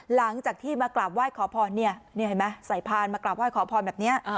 หลังจากที่มากราบไหว้ขอพรเห็นไหมใส่พานมากราบไห้ขอพรแบบนี้